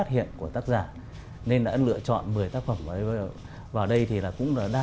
để có thể lựa chọn ra